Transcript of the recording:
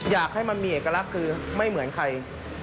อยากให้มันมีเอกลักษณ์คือไม่เหมือนใคร